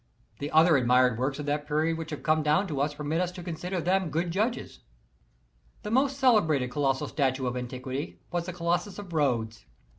The other admired works of that period which have come down to us permit us to consider them good judges. ' The most celebrated colossal statue ol antiquity was the Colossus of Rhodes.